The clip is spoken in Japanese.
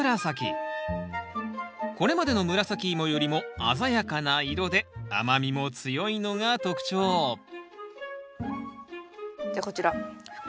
これまでの紫芋よりも鮮やかな色で甘みも強いのが特徴じゃあこちらふくむらさき。